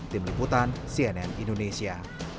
tim liputan cnn indonesia